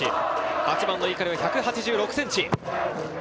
８番の碇は１８６ｃｍ。